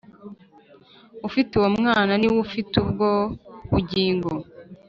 Ufite uwo Mwana ni we ufite ubwo bugingo